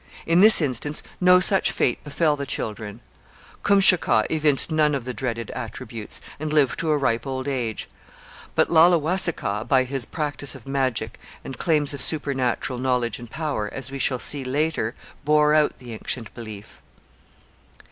In this instance no such fate befell the children. Kumshakaw evinced none of the dreaded attributes, and lived to a ripe old age, but Laulewasikaw, by his practice of magic and claims of supernatural knowledge and power, as we shall see later, bore out the ancient belief.